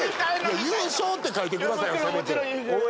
「優勝」って書いてください